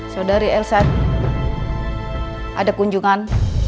saudari elsa ada kunjungan